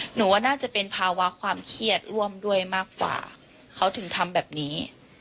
หนูว่าน่าจะเป็นภาวะความเครียดร่วมด้วยมากกว่าเขาถึงทำแบบนี้